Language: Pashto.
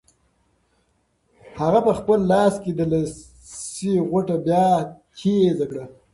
هغه په خپل لاس کې د لسي غوټه بیا تېزه کړه.